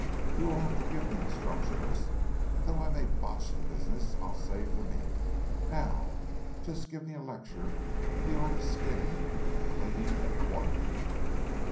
You will have to give me instructions, and though I may botch the business, I'll save the meat. Now just give me a lecture in the art of skinning and cleaning and quartering."